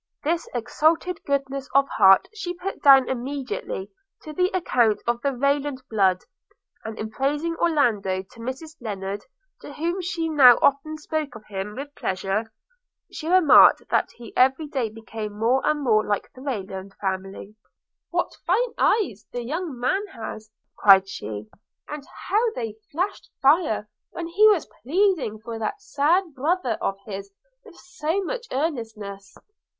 This exalted goodness of heart she put down immediately to the account of the Rayland blood; and in praising Orlando to Mrs Lennard, to whom she now often spoke of him with pleasure, she remarked, that he every day became more and more like the Rayland family – 'What fine eyes the young man has!' cried she, 'and how they flashed fire when he was pleading for that sad brother of his with so much earnestness!